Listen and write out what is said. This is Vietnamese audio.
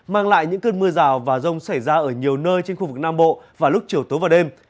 mang lại những cơn mưa rào và rông xảy ra ở nhiều nơi trên khu vực nam bộ vào lúc chiều tối và đêm